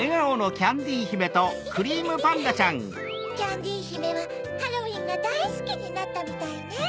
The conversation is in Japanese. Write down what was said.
キャンディひめはハロウィンがだいすきになったみたいね。